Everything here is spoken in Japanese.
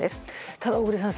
ただ、小栗さん